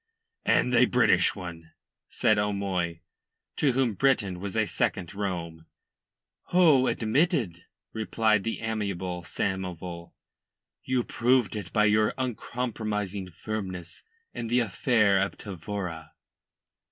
"And a British one," said O'Moy, to whom Britain was a second Rome. "Oh, admitted," replied the amiable Samoval. "You proved it by your uncompromising firmness in the affair of Tavora."